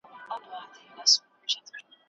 که په حوصله لیکل وکړې نو پرمختګ کوې.